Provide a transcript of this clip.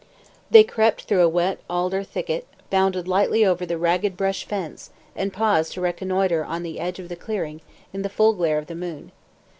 They crept through a wet alder thicket, bounded lightly over the ragged brush fence, and paused to reconnoitre on the edge of the clearing, in the full glare of the moon.